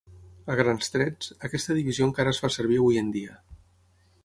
A grans trets, aquesta divisió encara es fa servir avui en dia.